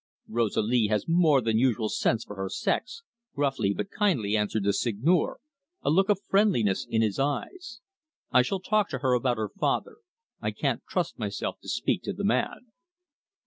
"Rosalie has more than usual sense for her sex," gruffly but kindly answered the Seigneur, a look of friendliness in his eyes. "I shall talk to her about her father; I can't trust myself to speak to the man."